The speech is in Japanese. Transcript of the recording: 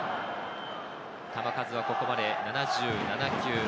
球数はここまで７７球。